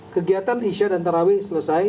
kegiatan isya' dan tarawe' selesai